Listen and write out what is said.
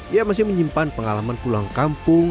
ia masih menyimpan pengalaman pulang kampung